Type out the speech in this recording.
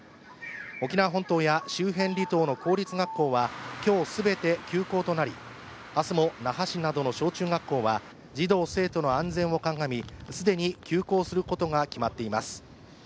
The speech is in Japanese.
沖縄本島や周辺離島の公立学校は今日全て、休校となり明日も、那覇市などの小中学校では児童・生徒の安全を鑑み、既に休校することが決まっています。